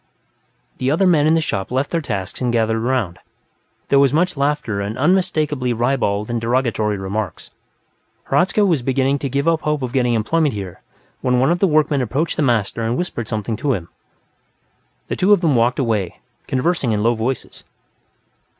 The other men in the shop left their tasks and gathered around; there was much laughter and unmistakably ribald and derogatory remarks. Hradzka was beginning to give up hope of getting employment here when one of the workmen approached the master and whispered something to him. The two of them walked away, conversing in low voices.